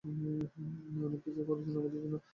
অনেককিছু করেছেন আমাদের জন্যে।